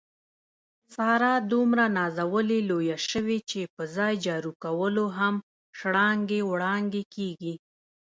ساره دومره نازولې لویه شوې، چې په ځای جارو کولو هم شړانګې وړانګې کېږي.